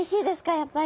やっぱり。